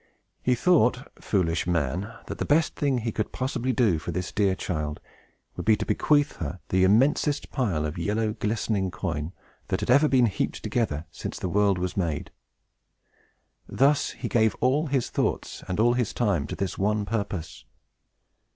He thought, foolish man! that the best thing he could possibly do for this dear child would be to bequeath her the immensest pile of yellow, glistening coin, that had ever been heaped together since the world was made. Thus, he gave all his thoughts and all his time to this one purpose.